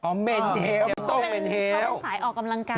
เขาเป็นสายออกกำลังกาย